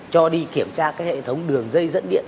cho đi kiểm tra cái hệ thống đường dây dẫn điện